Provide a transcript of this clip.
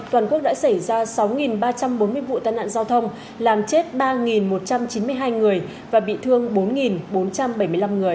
toàn quốc đã xảy ra sáu ba trăm bốn mươi vụ tai nạn giao thông làm chết ba một trăm chín mươi hai người và bị thương bốn bốn trăm bảy mươi năm người